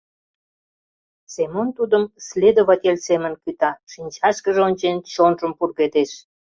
Семон тудым следователь семын кӱта: шинчашкыже ончен, чонжым пургедеш.